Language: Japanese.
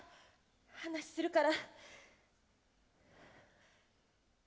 話するから。